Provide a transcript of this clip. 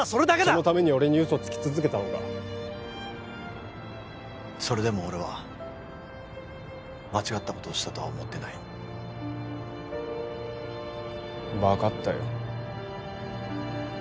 そのために俺に嘘つき続けたのかそれでも俺は間違ったことをしたとは思ってない分かったよ